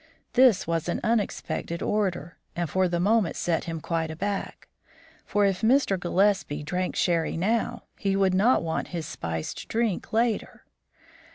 This was an unexpected order, and for the moment set him quite aback. For if Mr. Gillespie drank sherry now, he would not want his spiced drink later.